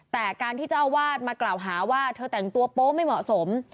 แต่การที่เจ้าอาวาสมากล่าวหาว่าเธอแต่งตัวโป๊ไม่เหมาะสม